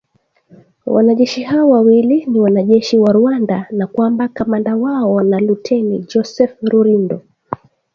wanajeshi hao wawili ni wanajeshi wa Rwanda na kwamba kamanda wao na Luteni Joseph Rurindo